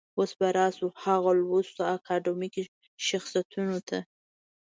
اوس به راشو هغه لوستو اکاډمیکو شخصيتونو ته.